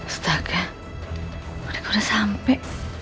astaga mereka udah sampai